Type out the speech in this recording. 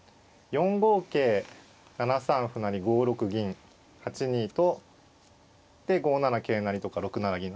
４五桂７三歩成５六銀８二とで５七桂成とか６七銀。